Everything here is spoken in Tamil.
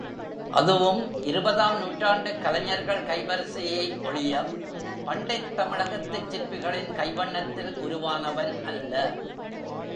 அதுவும் இருபதாம் நூற்றாண்டுக் கலைஞர்கள் கைவரிசையே ஒழியப் பண்டைத் தமிழகத்துச் சிற்பிகளின் கைவண்ணத்தில் உருவானவன் அல்ல.